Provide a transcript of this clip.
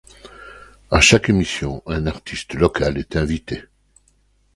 À chaque émission un artiste local est invité.